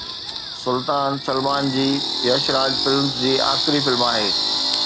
سلطان سلمان جي يش راج فلمز جي آخري فلم آهي